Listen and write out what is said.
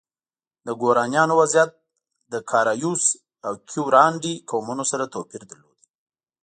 د ګورانیانو وضعیت له کارایوس او کیورانډي قومونو سره توپیر درلود.